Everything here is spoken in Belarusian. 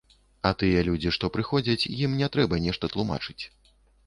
А тыя людзі, што прыходзяць, ім не трэба нешта тлумачыць.